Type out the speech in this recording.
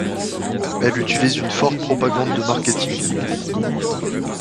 Elle utilise une forte propagande de marketing.